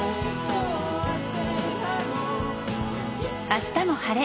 「あしたも晴れ！